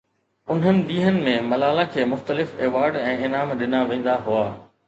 انهن ڏينهن ۾ ملاله کي مختلف ايوارڊ ۽ انعام ڏنا ويندا هئا.